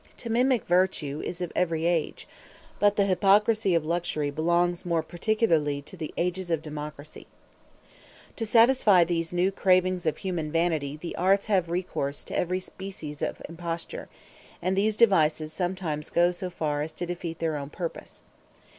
To mimic virtue is of every age; but the hypocrisy of luxury belongs more particularly to the ages of democracy. To satisfy these new cravings of human vanity the arts have recourse to every species of imposture: and these devices sometimes go so far as to defeat their own purpose.